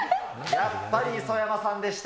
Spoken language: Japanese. やっぱり磯山さんでした。